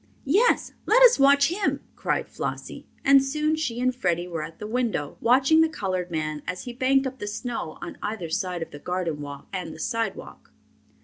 "Yes, let us watch him!" cried Flossie, and soon she and Freddie were at the window, watching the colored man as he banked up the snow on either side of the garden walk and the sidewalk.